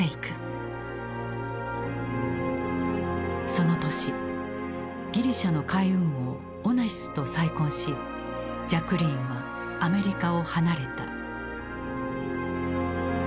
その年ギリシャの海運王オナシスと再婚しジャクリーンはアメリカを離れた。